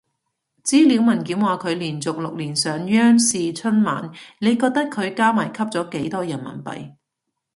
資料文件話佢連續六年上央視春晚，你覺得佢加埋吸咗幾多人民幣？